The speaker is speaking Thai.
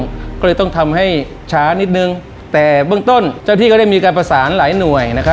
ก็เลยต้องทำให้ช้านิดนึงแต่เบื้องต้นเจ้าที่ก็ได้มีการประสานหลายหน่วยนะครับ